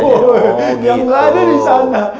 yang gak ada disana